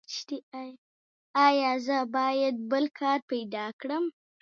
ایا زه باید بل کار پیدا کړم؟